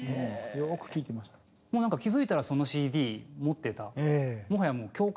もうなんか気付いたらそのＣＤ持ってた。